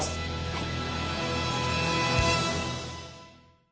はい。